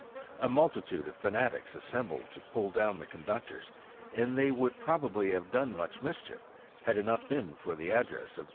A multitude of fanatics assembled to pull dowu the ccmductofSy and they would probaUy have done mueh mkchief, had it not been for the address of M.